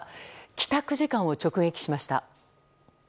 帰宅時間を直撃しました。